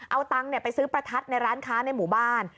เอาตังค์ไปซื้อประทัดในร้านค้าในหมู่บ้าน